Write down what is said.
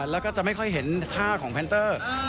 แล้วก็จะไม่ค่อยเห็นท่าของแพนเตอร์